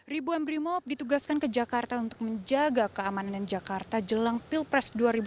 ribuan brimob ditugaskan ke jakarta untuk menjaga keamanan jakarta jelang pilpres dua ribu sembilan belas